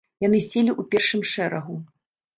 Яны селі ў першым шэрагу.